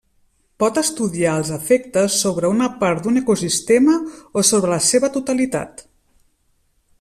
Pot estudiar els efectes sobre una part d'un ecosistema o sobre la seva totalitat.